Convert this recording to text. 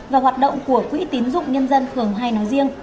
và hoạt động của quỹ tín dụng nhân dân phường hai nói riêng